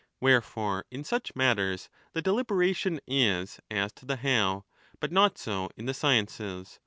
Wherefore in such matters the deliberation is as to the how, but not so in the sciences.